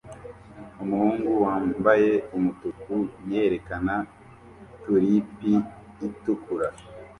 Umuhungu wambaye umutuku yerekana tulipi itukura